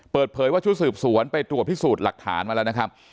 เปิดเผยว่าชุดสืบสวนไปตรวจพิสูจน์หลักฐานมาแล้วนะครับ